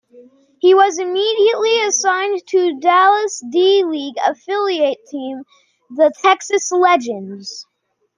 He was immediately assigned to Dallas' D-League affiliate team, the Texas Legends.